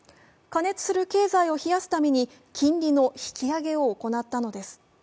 加熱する経済を冷やすために金利の引き上げを行ったのです。